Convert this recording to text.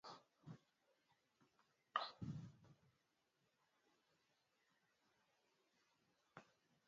Hata akisema amechoka, anataka muachane